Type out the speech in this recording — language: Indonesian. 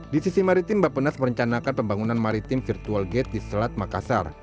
di sisi maritim bapenas merencanakan pembangunan maritim virtual gate di selat makassar